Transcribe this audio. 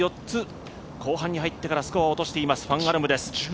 ４つ後半に入ってからスコアを落としています、ファン・アルムです。